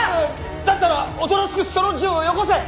だったらおとなしくその銃をよこせ。